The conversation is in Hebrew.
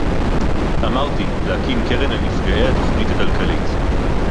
אמרתי: להקים קרן לנפגעי התוכנית הכלכלית